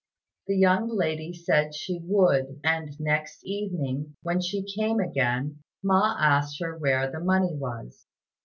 The young lady said she would; and next evening when she came again, Ma asked her where the money was.